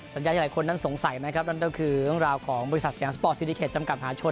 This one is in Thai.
สัญญาที่หลายคนนั้นสงสัยนั้นก็คือราวของบริษัทแสนอ้อสตรอสแลฟก์ซีริเคจ่ำกัดมหาชน